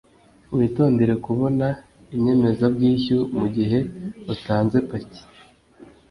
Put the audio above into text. Witondere kubona inyemezabwishyu mugihe utanze paki